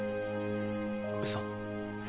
うそ？